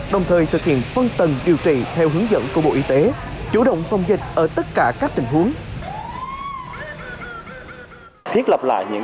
đồng thời thực hiện phân tầng điều trị theo hướng dẫn của bộ y tế chủ động phòng dịch ở tất cả các tình huống